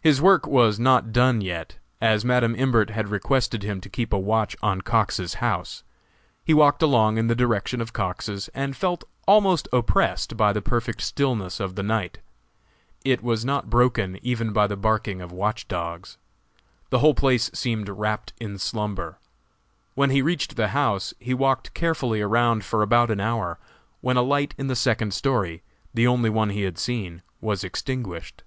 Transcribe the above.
His work was not done yet, as Madam Imbert had requested him to keep a watch on Cox's house. He walked along in the direction of Cox's, and felt almost oppressed by the perfect stillness of the night. It was not broken even by the barking of watch dogs. The whole place seemed wrapped in slumber. When he reached the house, he walked carefully around for about an hour, when a light in the second story the only one he had seen was extinguished.